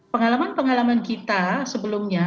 pengalaman pengalaman kita sebelumnya